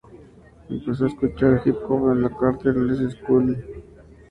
Empezó a escuchar hip-hop en la Carter Lawrence School de Nashville, en un recreo.